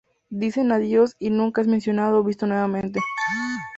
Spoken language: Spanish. Dicen adiós y nunca es mencionado o visto nuevamente.